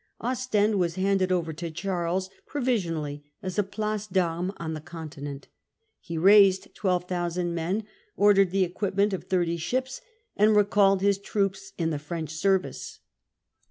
Ostendwas handed over to Charles provisionally as a place (Pannes on the Continent. He raised 12,000 men, ordered the equipment of thirty ships, and recalled his troops in the French service.